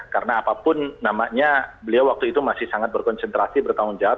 karena apapun namanya beliau waktu itu masih sangat berkonsentrasi bertanggung jawab